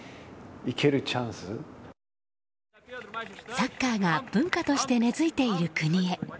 サッカーが文化として根付いている国へ。